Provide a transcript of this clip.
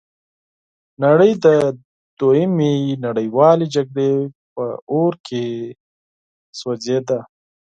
نړۍ د دوهمې نړیوالې جګړې په اور کې سوځیده.